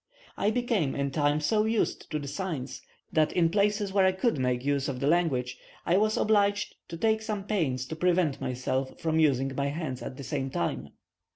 I became in time so used to the signs that, in places where I could make use of the language, I was obliged to take some pains to prevent myself from using my hands at the same time.